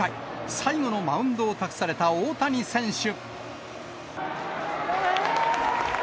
最後のマウンドを託された大谷選手。